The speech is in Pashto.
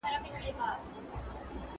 ¬ اره، اره ، لور پر غاړه.